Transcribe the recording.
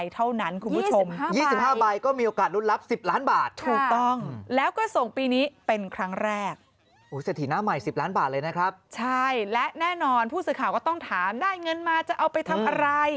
ใช่และแน่นอนผู้สื่อข่าวก็ต้องถามได้เงินมาจะเอาไปทำอะไร